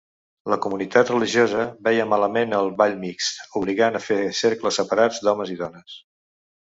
La comunitat religiosa veia malament el ball mixt, obligant a fer cercles separats d'homes i dones.